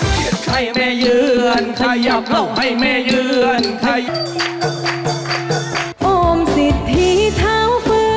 สวัสดีครับ